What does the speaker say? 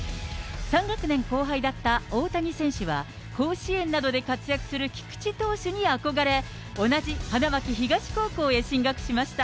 ３学年後輩だった大谷選手は、甲子園などで活躍する菊池投手に憧れ、同じ花巻東高校へ進学しました。